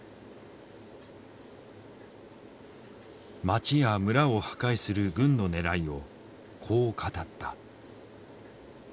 町や村を破壊する軍のねらいをこう語った。